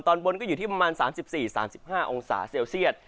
ตอนบนก็อยู่ที่ประมาณ๓๔๓๕องศาเซลเซียต